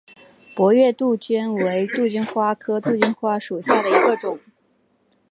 皋月杜鹃为杜鹃花科杜鹃花属下的一个种。